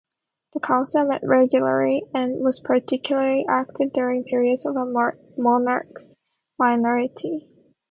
The council met regularly and was particularly active during periods of a monarch's minority.